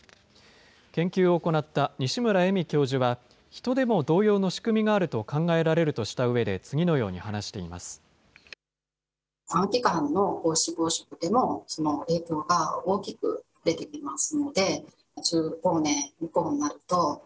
研究を行った西村栄美教授は、ヒトでも同様の仕組みがあると考えられるとしたうえで、次のように話しています。